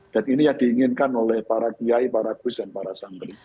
dan ini yang diinginkan oleh para kiai para gus dan para santri